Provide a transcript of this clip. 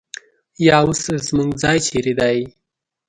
یا اوس زموږ ځای چېرې دی؟